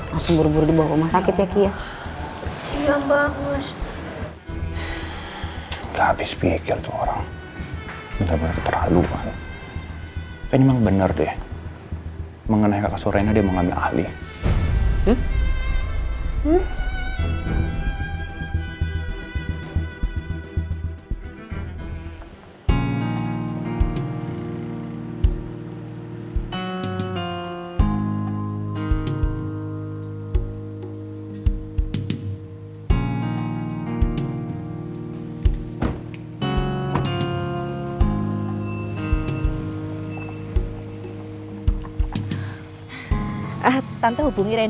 langsung buru buru dibawa ke rumah sakit ya ki ya